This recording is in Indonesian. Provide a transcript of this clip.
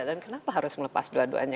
dan kenapa harus melepas kedua duanya